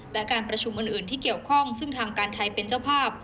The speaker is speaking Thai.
และการประชุมอื่นที่เกี่ยวข้องซึ่งทางการไทยเป็นเจ้าภาพ